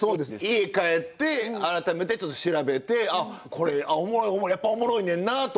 家へ帰って改めてちょっと調べてあっこれおもろいおもろいやっぱおもろいねんなとか。